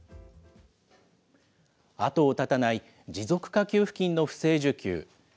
後を絶たない持続化給付金の不正受給。